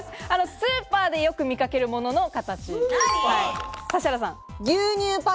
スーパーでよく見かけるものの形。